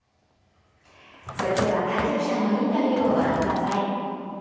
それでは対局者のインタビューをご覧ください。